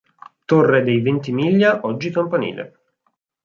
Torre dei Ventimiglia oggi campanile.